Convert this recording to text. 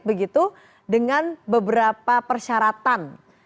begitu dengan beberapa persyaratan